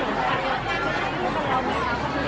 การรับความรักมันเป็นอย่างไร